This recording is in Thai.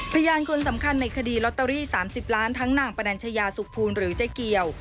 พยานคนสำคัญในคดีลอตเตอรี่๓๐ล้านทั้งนางปนัญชยาสุขภูลหรือเจ๊เกียว